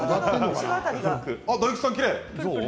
大吉さん、きれい。